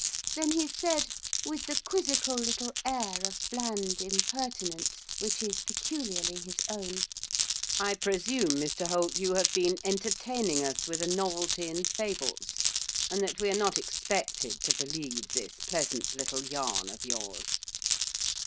Then he said, with the quizzical little air of bland impertinence which is peculiarly his own, 'I presume, Mr Holt, you have been entertaining us with a novelty in fables, and that we are not expected to believe this pleasant little yarn of yours.